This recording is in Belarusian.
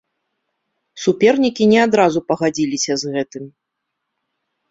Супернікі не адразу пагадзіліся з гэтым.